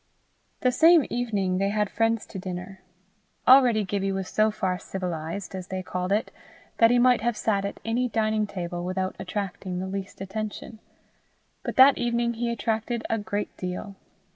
The same evening they had friends to dinner. Already Gibbie was so far civilized, as they called it, that he might have sat at any dining table without attracting the least attention, but that evening he attracted a great deal.